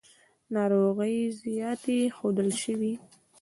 ناروغۍ زیاتې ښودل شوې.